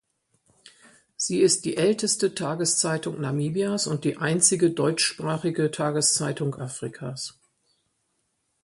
Sie ist die älteste Tageszeitung Namibias und die einzige deutschsprachige Tageszeitung Afrikas.